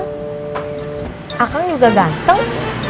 kakak juga ganteng